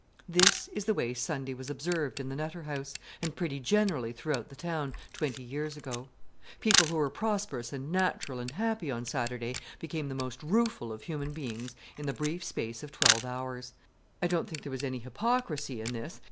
This is the way Sunday was observed in the Nutter House, and pretty generally throughout the town, twenty years ago.(1) People who were prosperous and natural and happy on Saturday became the most rueful of human beings in the brief space of twelve hours. I don't think there was any hypocrisy in this.